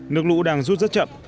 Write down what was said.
nước lũ đang rút rất chậm